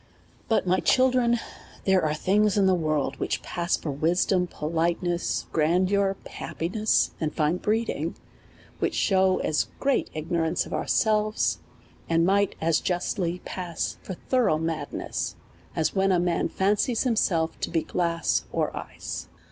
But, my children, there are things in the world which pass for wisdom, politeness, grandeur, happi oess, and fine breeding, which shew as great ignorance of ourselves, and might as justly pass for thorough madness, as when a man fancies himself to be glass, er ice.